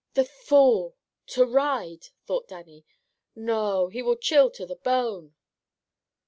"The fool! To ride!" thought Dannie. "Noo he will chill to the bone!".